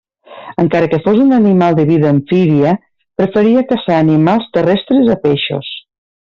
Encara que fos un animal de vida amfíbia, preferia caçar animals terrestres a peixos.